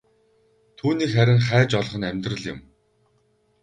Түүнийг харин хайж олох нь амьдрал юм.